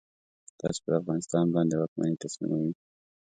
تاسې پر افغانستان باندي واکمني تسلیموي.